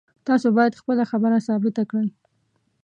تاسو باید خپله خبره ثابته کړئ